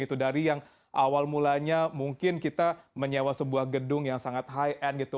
itu dari yang awal mulanya mungkin kita menyewa sebuah gedung yang sangat high end gitu